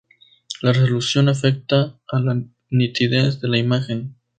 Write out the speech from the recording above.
La resolución afecta a la nitidez de la imagen.